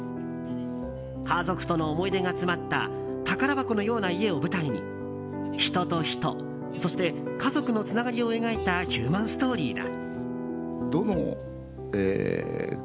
家族との思い出が詰まった宝箱のような家を舞台に人と人、そして家族のつながりを描いたヒューマンストーリーだ。